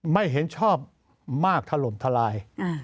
ไม่เห็นชอบมากถล่มทลาย